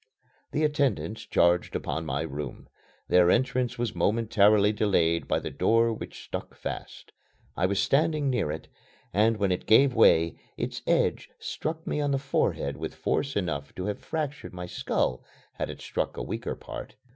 The attendants charged upon my room. Their entrance was momentarily delayed by the door which stuck fast. I was standing near it, and when it gave way, its edge struck me on the forehead with force enough to have fractured my skull had it struck a weaker part.